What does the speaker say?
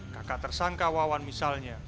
kakak tersangka wawan misalnya